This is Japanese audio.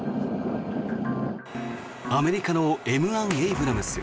アメリカのＭ１エイブラムス。